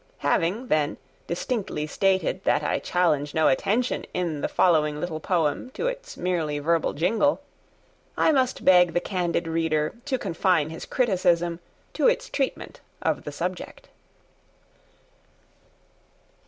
Having, then, distinctly stated that I challenge no attention in the following little poem to its merely verbal jingle, I must beg the candid reader to confine his criticism to its treatment of the subject.